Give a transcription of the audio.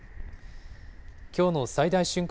きょうの最大瞬間